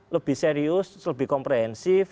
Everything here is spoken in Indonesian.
lebih serius lebih komprehensif